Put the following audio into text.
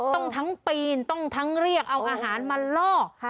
ทั้งปีนต้องทั้งเรียกเอาอาหารมาล่อ